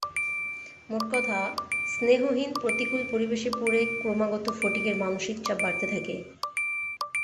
মোট কথা, স্নেহহীন প্রতিকূল পরিবেশে পড়ে ক্রমাগত ফটিকের মানসিক চাপ বাড়তে থাকে।